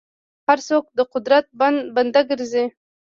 هر څوک د قدرت بنده ګرځي.